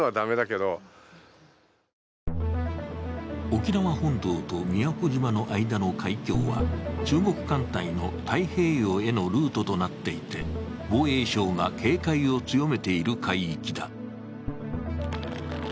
沖縄本島と宮古島の間の海峡は、中国艦隊の太平洋へのルートとなっていて、防衛省が警戒を強めている海域だ。